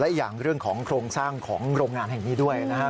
อีกอย่างเรื่องของโครงสร้างของโรงงานแห่งนี้ด้วยนะครับ